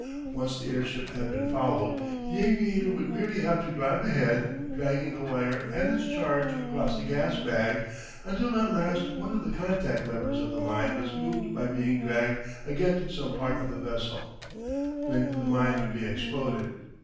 Once the airship had been fouled, the aviator would merely have to drive ahead, dragging the wire and its charge across the gas bag until at last one of the contact levers of the mine was moved by being dragged against some part of the vessel, when the mine would be exploded.